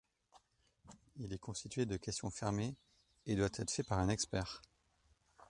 Il est constitué de questions fermées et doit être fait par un expert.